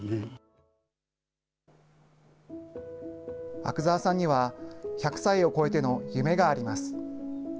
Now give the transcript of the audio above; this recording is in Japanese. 阿久澤さんには、１００歳を越えての夢があります。